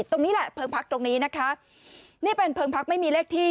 ตรงนี้แหละเพลิงพักตรงนี้นะคะนี่เป็นเพลิงพักไม่มีเลขที่